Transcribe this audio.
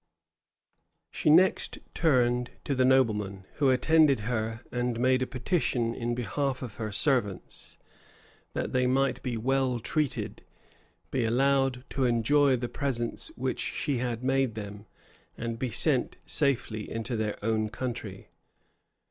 She next turned to the noblemen, who attended her, and made a petition in behalf of her servants, that they might be well treated, be allowed to enjoy the presents which she had made them, and be sent safely into their own country.